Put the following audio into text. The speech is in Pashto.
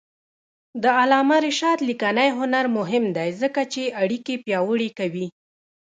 د علامه رشاد لیکنی هنر مهم دی ځکه چې اړیکې پیاوړې کوي.